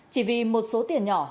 chỉ vì một số tiền nhỏ